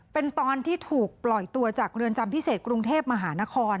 เป็นตอนที่ถูกปล่อยตัวจากเรือนจำพิเศษกรุงเทพมหานคร